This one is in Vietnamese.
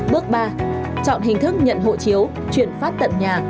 bước ba chọn hình thức nhận hộ chiếu chuyển phát tận nhà